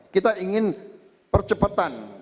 kita ingin percepatan